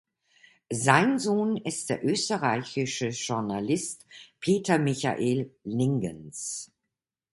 Sein Sohn ist der österreichische Journalist Peter Michael Lingens.